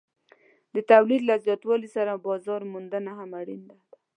د تولید له زیاتوالي سره بازار موندنه هم اړینه ده.